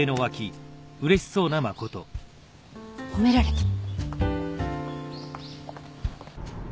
褒められた。